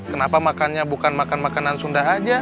kenapa makannya bukan makan makanan sunda aja